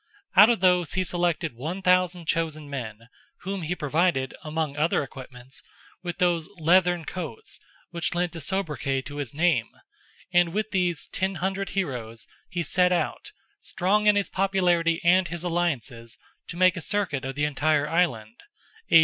Out of these he selected 1000 chosen men, whom he provided, among other equipments, with those "leathern coats," which lent a soubriquet to his name; and with these "ten hundred heroes," he set out—strong in his popularity and his alliances—to make a circuit of the entire island (A.